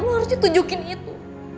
lo harusnya tunjukin itu